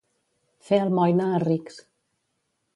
Fer almoina a rics.